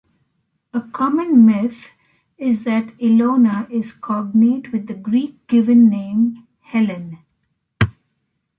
A common myth is that Ilona is cognate with the Greek given name "Helen".